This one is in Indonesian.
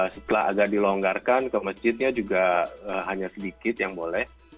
setelah agak dilonggarkan ke masjidnya juga hanya sedikit yang boleh